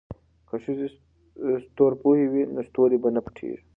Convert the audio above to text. که ښځې ستورپوهې وي نو ستوري به نه پټیږي.